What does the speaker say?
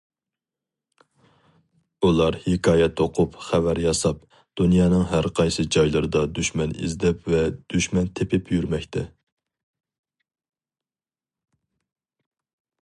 ئۇلار ھېكايە توقۇپ، خەۋەر ياساپ، دۇنيانىڭ ھەرقايسى جايلىرىدا دۈشمەن ئىزدەپ ۋە دۈشمەن تېپىپ يۈرمەكتە.